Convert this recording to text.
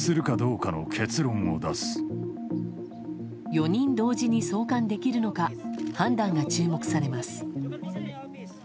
４人同時に送還できるのか判断が注目されます。